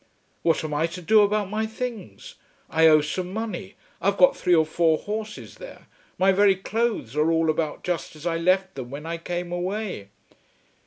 "What am I to do about my things? I owe some money. I've got three or four horses there. My very clothes are all about just as I left them when I came away."